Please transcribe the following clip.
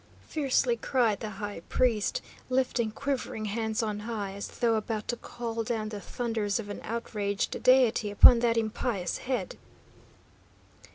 fiercely cried the high priest, lifting quivering hands on high as though about to call down the thunders of an outraged deity upon that impious head.